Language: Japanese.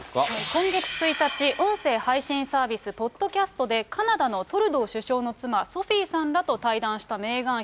今月１日、音声配信サービス、ポッドキャストで、カナダのトルドー首相の妻、ソフィーさんらと対談したメーガン妃。